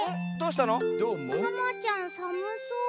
タマちゃんさむそう。